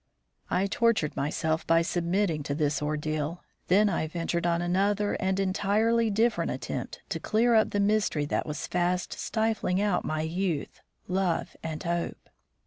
I tortured myself by submitting to this ordeal, then I ventured on another and entirely different attempt to clear up the mystery that was fast stifling out my youth, love and hope.